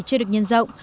chưa được nhân rộng